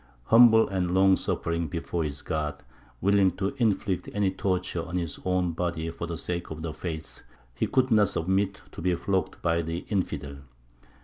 Humble and long suffering before his God, willing to inflict any torture on his own body for the sake of the faith, he could not submit to be flogged by the infidel.